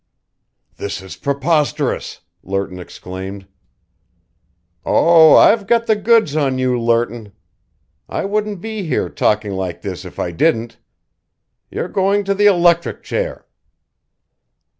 "This is preposterous!" Lerton exclaimed. "Oh, I've got the goods on you, Lerton! I wouldn't be here talking like this if I didn't! You're going to the electric chair!"